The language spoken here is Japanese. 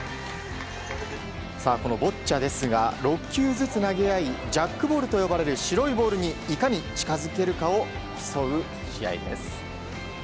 このボッチャですが６球ずつ投げ合いジャックボールと呼ばれる白いボールにいかに近づけるかを競う試合です。